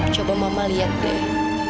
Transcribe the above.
coba mama lihat deh